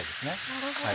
なるほど。